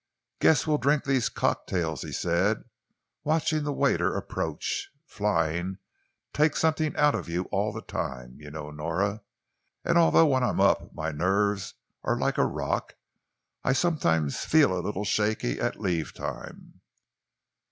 "Guess we'll drink these cocktails," he said, watching the waiter approach. "Flying takes something out of you all the time, you know, Nora, and although when I am up my nerves are like a rock, I sometimes feel a little shaky at leave time."